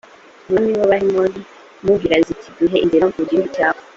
umwami w’abahemori, kumubwira ziti duhe inzira mu gihugu cyawe.